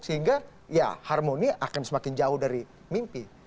sehingga ya harmoni akan semakin jauh dari mimpi